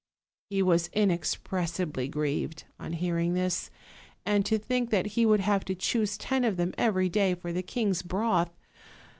He was inexpressibly grieved on hearing this, and to think that he would have to choose ten of them every day for the king's broth.